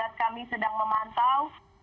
dan kami sedang memantau